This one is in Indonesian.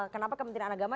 kenapa kementerian agama